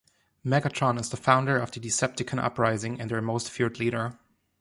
Megatron is the founder of the Decepticon uprising and their most feared leader.